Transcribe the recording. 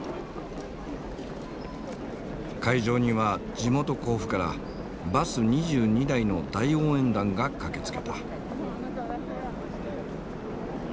会場には地元甲府からバス２２台の大応援団が駆けつけた。